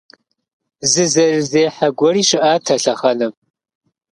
Зы зэрызехьэ гуэри щыӏат а лъэхъэнэм.